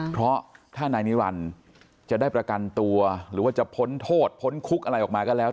เพราะถ้านายนิรันดิ์จะได้ประกันตัวหรือว่าจะพ้นโทษพ้นคุกอะไรออกมาก็แล้ว